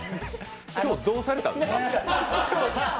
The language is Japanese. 今日、どうされたんですか？